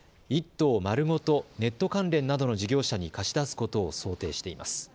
１棟まるごとネット関連などの事業者に貸し出すことを想定しています。